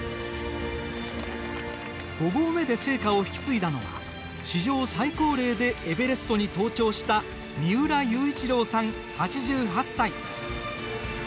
五合目で聖火を引き継いだのは史上最高齢でエベレストに登頂した三浦雄一郎さん、８８歳。